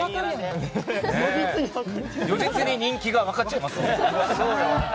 如実に人気が分かっちゃいますね！